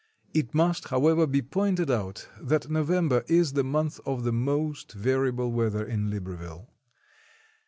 It must, however, be pointed out that November is the month of the most variable weather at Libreville.